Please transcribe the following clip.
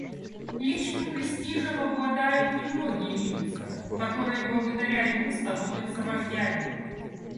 Личным престижем обладают немногие лица, которые благодаря ему становятся вождями.